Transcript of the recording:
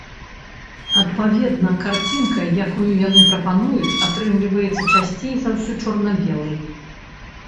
Адпаведна, карцінка, якую яны прапануюць, атрымліваецца часцей за ўсё чорна-белай.